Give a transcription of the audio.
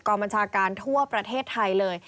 กองบัญชาการทั่วประเทศไทย